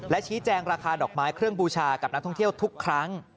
ชี้แจงราคาดอกไม้เครื่องบูชากับนักท่องเที่ยวทุกครั้ง